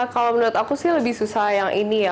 kalau menurut aku sih lebih susah yang ini ya